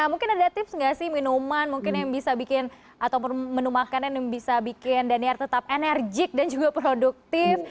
mungkin ada tips nggak sih minuman mungkin yang bisa bikin atau menu makanan yang bisa bikin daniar tetap enerjik dan juga produktif